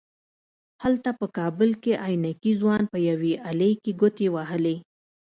هلته په کابل کې عينکي ځوان په يوې آلې کې ګوتې وهلې.